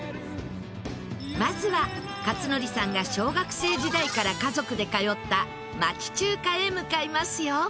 まずは克典さんが小学生時代から家族で通った町中華へ向かいますよ。